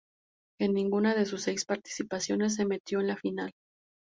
En ninguna de sus seis participaciones se metió en la final.